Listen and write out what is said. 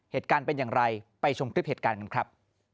เหตุการณ์เป็นอย่างไรไปชมคลิปเหตุการณ์กันครับ